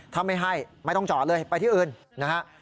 ถ้าไม่ให้ไม่ต้องจอดเลยไปที่อื่นนะฮะ